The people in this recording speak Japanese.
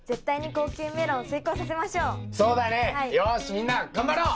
よしみんな頑張ろう！